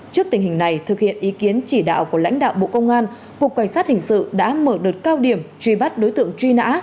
trước tình hình này thực hiện ý kiến chỉ đạo của lãnh đạo bộ công an cục cảnh sát hình sự đã mở đợt cao điểm truy bắt đối tượng truy nã